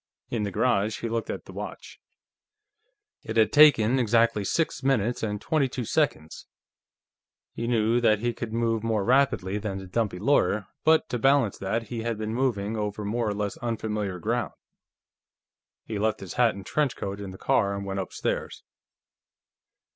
In the garage, he looked at the watch. It had taken exactly six minutes and twenty two seconds. He knew that he could move more rapidly than the dumpy lawyer, but to balance that, he had been moving over more or less unfamiliar ground. He left his hat and trench coat in the car and went upstairs.